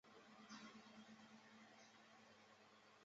事后有发行影音光碟。